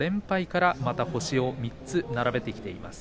そのあと、また白星を３つ並べてきています。